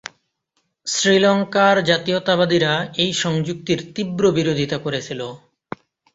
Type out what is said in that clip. শ্রীলঙ্কার জাতীয়তাবাদীরা এই সংযুক্তির তীব্র বিরোধিতা করেছিল।